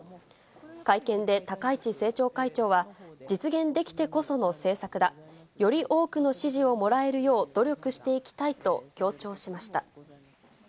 会見で高市政調会長は、実現できてこその政策だ、より多くの支持をもらえるよう努力していきたいと強調しました。